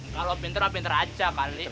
kalau pinter pinter aja kali